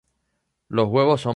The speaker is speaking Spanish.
Los huevos son pocos y grandes.